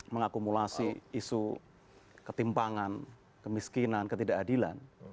mengakumulasi isu ketimpangan kemiskinan ketidakadilan